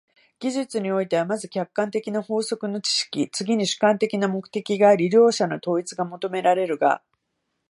技術においては、まず客観的な法則の知識、次に主観的な目的があり、両者の統一が求められるが、